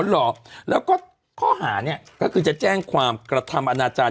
หรอแล้วก็ข้อหาเนี่ยก็คือจะแจ้งความกระทำอนาจารย